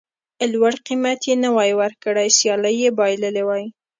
لوړ قېمت یې نه وای ورکړی سیالي یې بایللې وای.